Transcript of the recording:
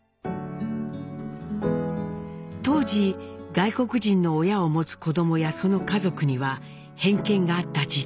当時外国人の親を持つ子どもやその家族には偏見があった時代。